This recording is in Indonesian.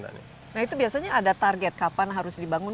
nah itu biasanya ada target kapan harus dibangun